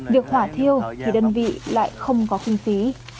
việc thả thiêu thì đơn vị lại không có kinh phí